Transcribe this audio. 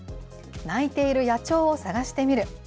鳴いている野鳥を探してみる。